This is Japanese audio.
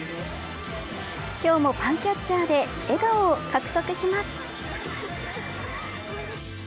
今日も、パンキャッチャーで笑顔を獲得します。